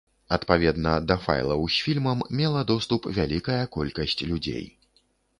Адпаведна, да файлаў з фільмам мела доступ вялікая колькасць людзей.